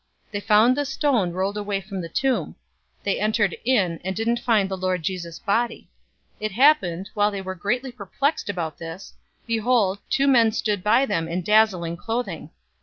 024:002 They found the stone rolled away from the tomb. 024:003 They entered in, and didn't find the Lord Jesus' body. 024:004 It happened, while they were greatly perplexed about this, behold, two men stood by them in dazzling clothing.